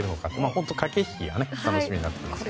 本当に駆け引きが楽しみになってきますね。